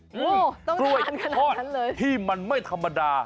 โอ้โฮต้องทานขนาดนั้นเลยกล้วยทอดที่มันไม่ธรรมดา